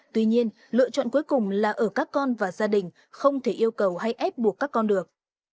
tuy nhiên lựa chọn cuối cùng là ở các con và gia đình không thể yêu cầu hay ép buộc các con được